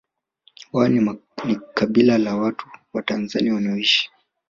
Waha ni kabila la watu wa Tanzania wanaoishi